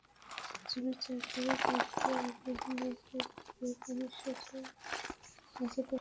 জমির চারদিকে বাঁধ দিয়ে অগভীর নলকূপ দিয়ে পানি সেচেও ফসল বাঁচাতে পারিনি।